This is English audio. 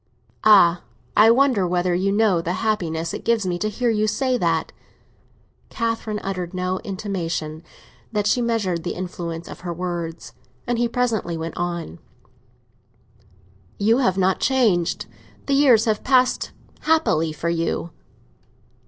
"Ah, I wonder whether you know the happiness it gives me to hear you say that!" Catherine uttered no intimation that she measured the influence of her words; and he presently went on, "You have not changed—the years have passed happily for you."